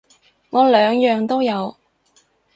我兩樣都有